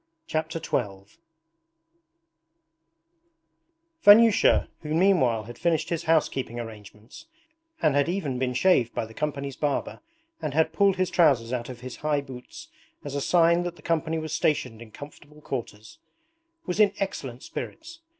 Chapter XII Vanyusha, who meanwhile had finished his housekeeping arrangements and had even been shaved by the company's barber and had pulled his trousers out of his high boots as a sign that the company was stationed in comfortable quarters, was in excellent spirits.